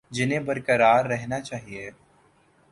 جنہیں برقرار رہنا چاہیے